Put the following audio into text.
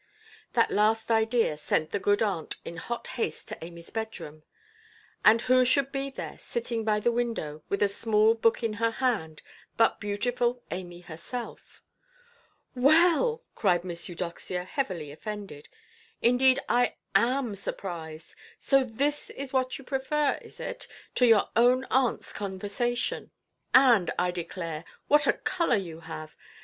That last idea sent the good aunt in hot haste to Amyʼs bedroom; and who should be there, sitting by the window, with a small book in her hand, but beautiful Amy herself. "Well"! cried Miss Eudoxia, heavily offended; "indeed, I am surprised. So this is what you prefer, is it, to your own auntʼs conversation? And, I declare, what a colour you have!